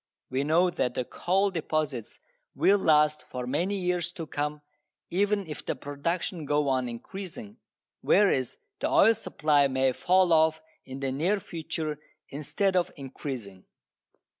We know that the coal deposits will last for many years to come, even if the production go on increasing, whereas the oil supply may fall off in the near future instead of increasing.